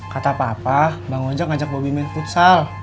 kata papa bang ojo ngajak bobi main futsal